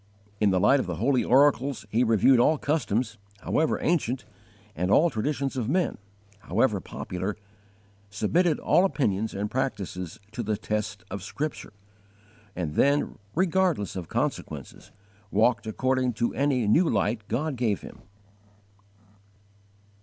_ In the light of the holy oracles he reviewed all customs, however ancient, and all traditions of men, however popular, submitted all opinions and practices to the test of Scripture, and then, regardless of consequences, walked according to any new light God gave him.